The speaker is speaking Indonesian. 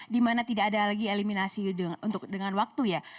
di mana tidak ada lagi eliminasi dengan waktu ya